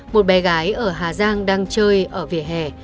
một bé gái ở hà giang đang chơi ở vỉa hè